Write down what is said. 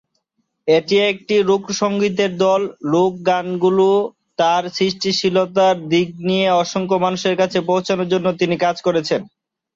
এটি একটি লোকসঙ্গীত দল; লোক গানগুলি তার সৃষ্টিশীল দিকের নিয়ে, অসংখ্য মানুষের কাছে পৌঁছানোর জন্য তিনি কাজ করেছিলেন।